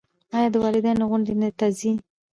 ایا د والدینو غونډې ته ځئ؟